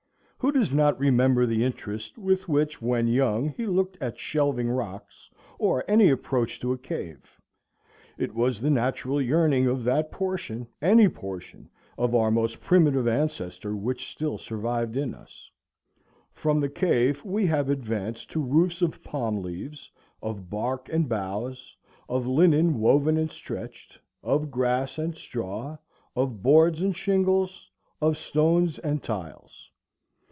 Who does not remember the interest with which when young he looked at shelving rocks, or any approach to a cave? It was the natural yearning of that portion of our most primitive ancestor which still survived in us. From the cave we have advanced to roofs of palm leaves, of bark and boughs, of linen woven and stretched, of grass and straw, of boards and shingles, of stones and tiles.